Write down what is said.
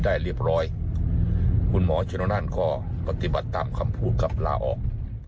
ได้เรียบร้อยคุณหมอชนนั่นก็ปฏิบัติตามคำพูดกับลาออก